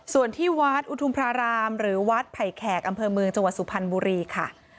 ส่วนที่วัดอุทุมพระรามหรือวัดไผ่แขกอำเภอเมืองจังหวัดสุพรรณบุรีค่ะ